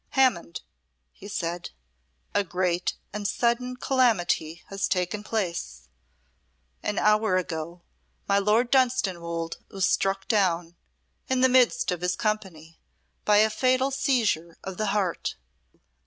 "Hammond," he said, "a great and sudden calamity has taken place. An hour ago my Lord Dunstanwolde was struck down in the midst of his company by a fatal seizure of the heart."